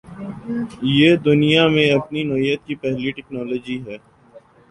یہ دنیا میں اپنی نوعیت کی پہلی ٹکنالوجی ہے۔